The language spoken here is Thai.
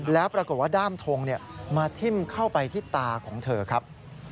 แล้วปรากฏว่าด้ามทงมาทิ้มเข้าไปที่ตาของเธอครับ